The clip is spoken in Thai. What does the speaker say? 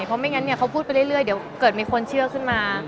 เพราะไม่งั้นเขาพูดไปเรื่อยเดี๋ยวเกิดมีคนเชื่อขึ้นมา